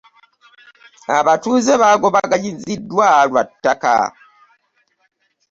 Abatuuze bagobaganyizidwa lwa ttaka.